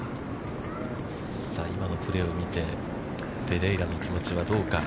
今のプレーを見て、ペレイラの気持ちはどうか。